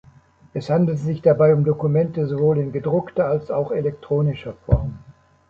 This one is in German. Es handelt sich dabei um Dokumente sowohl in gedruckter als auch elektronischer Form.